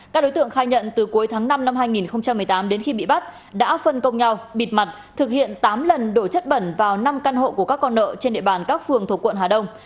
các đối tượng khai nhận từ cuối tháng năm năm hai nghìn một mươi tám đến khi bị bắt đã phân công nhau bịt mặt thực hiện tám lần đổi chất bẩn vào năm căn hộ của các con nợ trên địa bàn các phường thuộc quận hà đông